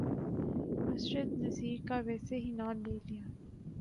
مسرت نذیر کا ویسے ہی نام لے لیا۔